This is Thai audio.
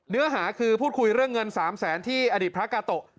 เนื้อหาคือพูดคุยเรื่องเงิน๓แสนที่อดีตพระกาโตะ